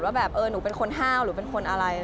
ว่าหนูเป็นคนเฮาหรือเป็นคนอะไร